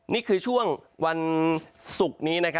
นี่คือช่วงวันศุกร์นี้